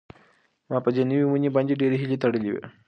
ما په دې نوې ونې باندې ډېرې هیلې تړلې وې.